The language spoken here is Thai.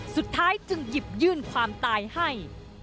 สุดท้ายจึงหยิบยื่นความตายให้